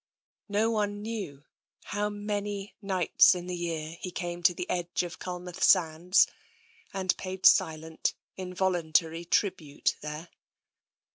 TENSION 71 No one knew how many nights in the year he came to the edge of Culmouth sands and paid silent, invol untary tribute there.